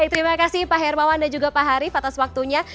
terima kasih pak hermawan dan juga pak harif atas waktunya